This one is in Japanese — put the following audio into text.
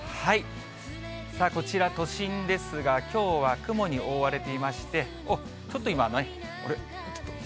さあこちら、都心ですが、きょうは雲に覆われていまして、おっ、ちょっと今、あれ、ちょっと。